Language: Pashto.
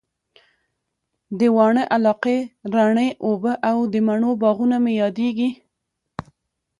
د واڼه علاقې رڼې اوبه او د مڼو باغونه مي ياديږي